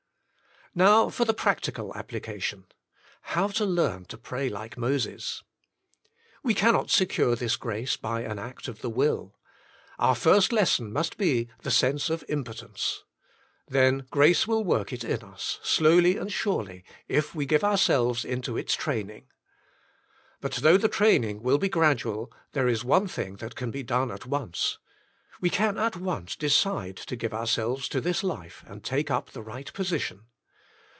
Now for the practical application : How to learn to pray like Moses? We cannot secure this grace by an act of the will. Our first lesson must be, the sense of impotence. Then grace will work it in us, slowly and surely, if we give ourselves into its training. But though the training will be gradual, there is one thing can be done at once, we can at once decide to give ourselves to this life and take up the right position.